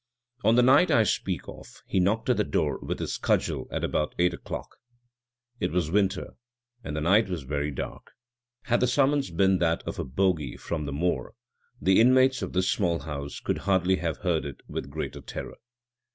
On the night I speak of he knocked at the door with his cudgel at about eight o'clock. It was winter, and the night was very dark. Had the summons been that of a bogie from the moor, the inmates of this small house could hardly have heard it with greater terror.